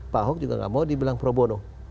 pak ahok juga gak mau dibilang pro bono